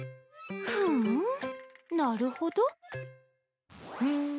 ふんなるほど。